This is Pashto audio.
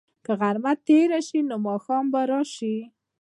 که غرمه تېره شي، نو ماښام به راشي.